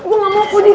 gue gak mau kudih